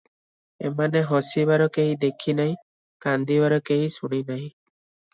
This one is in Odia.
ଏମାନେ ହସିବାର କେହି ଦେଖି ନାହିଁ, କାନ୍ଦିବାର କେହି ଶୁଣି ନାହିଁ ।